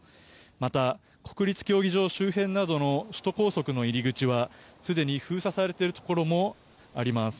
また、国立競技場周辺などの首都高速の入り口はすでに封鎖されているところもあります。